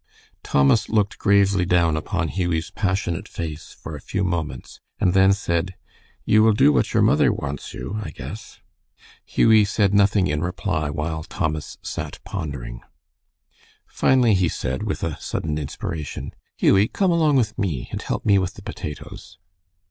Thomas looked gravely down upon Hughie's passionate face for a few moments, and then said, "You will do what your mother wants you, I guess." Hughie said nothing in reply, while Thomas sat pondering. Finally he said, with a sudden inspiration, "Hughie, come along with me, and help me with the potatoes."